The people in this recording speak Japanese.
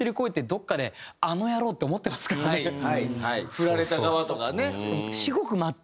フラれた側とかね。